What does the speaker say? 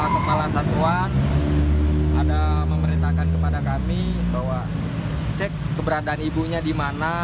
kepala satuan ada memberitakan kepada kami bahwa cek keberadaan ibunya di mana